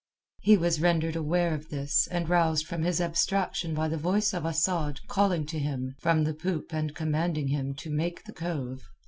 He was rendered aware of this and roused from his abstraction by the voice of Asad calling to him from the poop and commanding him to make the cove.